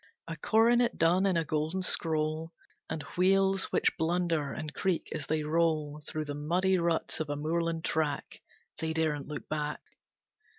A coronet done in a golden scroll, And wheels which blunder and creak as they roll Through the muddy ruts of a moorland track. They daren't look back!